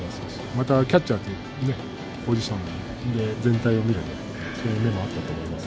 またキャッチャーというポジションで、全体を見る目、そういう目もあったと思います。